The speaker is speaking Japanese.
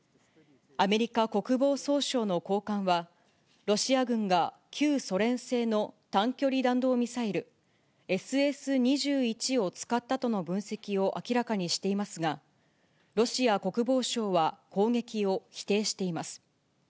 アメリカ国防総省の高官は、ロシア軍が旧ソ連製の短距離弾道ミサイル、ＳＳ２１を使ったとの分析を明らかにしていますが、ロシア国防省は、攻撃を否定しています。